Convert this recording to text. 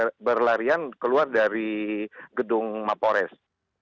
dan kami juga berlarian keluar dari gedung mapores